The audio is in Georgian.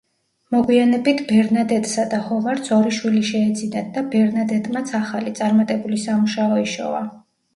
მოგვიანებით ბერნადეტსა და ჰოვარდს ორი შვილი შეეძინათ და ბერნადეტმაც ახალი, წარმატებული სამუშაო იშოვა.